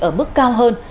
ở mức cao hơn